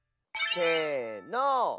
せの。